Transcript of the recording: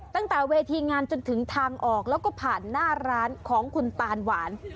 ตั้งแต่เวทีงานจนถึงทางออกแล้วก็ผ่านหน้าร้านของคุณตานหวาน